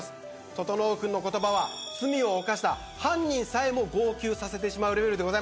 整君の言葉は罪を犯した犯人さえも号泣させてしまうレベルです。